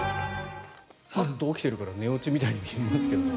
ハッと起きてるから寝落ちにも見えますけどね。